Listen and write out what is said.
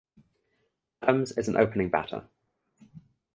Adams is an opening batter.